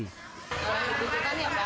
oh butuhkan yang banyak